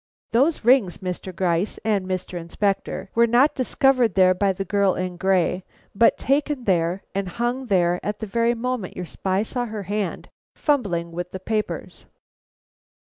Those rings, Mr. Gryce and Mr. Inspector, were not discovered there by the girl in gray, but taken there; and hung there at the very moment your spy saw her hand fumbling with the papers."